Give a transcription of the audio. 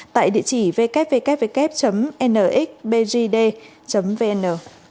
tại địa chỉ www nxbgd vn